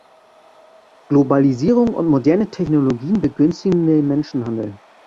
Globalisierung und moderne Technologien begünstigen den Menschenhandel.